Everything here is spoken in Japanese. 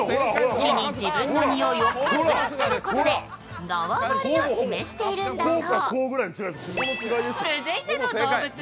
木に自分のにおいをこすりつけることで縄張りを示しているんだそう。